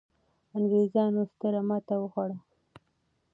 انګرېزانو ستره ماته وخوړه.